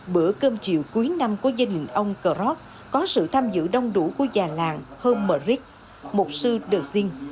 bữa cơm chiều cuối năm của gia đình ông krop có sự tham dự đông đủ của già làng homeric một sư đời sinh